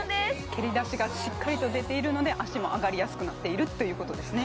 蹴り出しがしっかりと出ているので足も上がりやすくなっているということですね